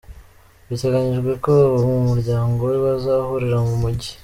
Biteganyijwe ko abo mu muryango we bazahurira mu mujyi.